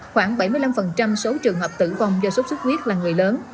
khoảng bảy mươi năm số trường hợp tử vong do sốt sốt khuyết là người lớn